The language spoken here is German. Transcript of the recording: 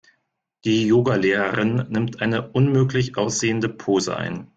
Die Yoga-Lehrerin nimmt eine unmöglich aussehende Pose ein.